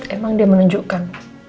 emang dia menunjukkan